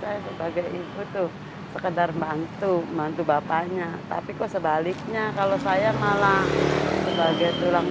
saya sebagai ibu tuh sekedar bantu bantu bapaknya tapi kok sebaliknya kalau saya malah sebagai tulang